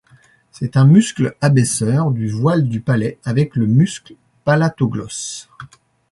C'est un muscle abaisseur du voile du palais avec le muscle palatoglosse.